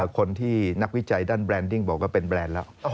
คนที่นักวิจัยด้านแรนดิ้งบอกว่าเป็นแบรนด์แล้ว